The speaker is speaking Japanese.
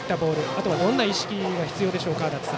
あとはどんな意識が必要ですか。